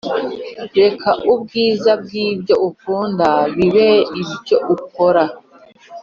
reka ubwiza bwibyo ukunda bibe ibyo ukora.